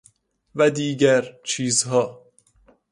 و دیگرچیزها